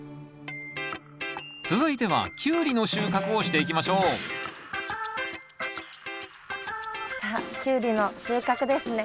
続いてはキュウリの収穫をしていきましょうさあキュウリの収穫ですね。